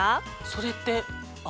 それって。